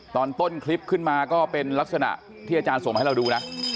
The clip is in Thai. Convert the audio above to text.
ตอนต้นคลิปขึ้นมาก็เป็นลักษณะที่อาจารย์ส่งมาให้เราดูนะ